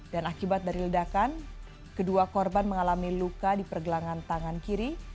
dan akibat dari ledakan kedua korban mengalami luka di pergelangan tangan kiri